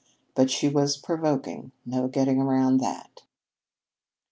But she was provoking, no getting around that.